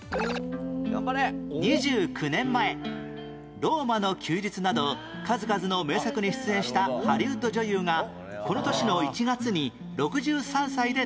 ２９年前『ローマの休日』など数々の名作に出演したハリウッド女優がこの年の１月に６３歳で他界